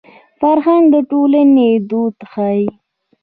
فرهنګ د ټولنې وده ښيي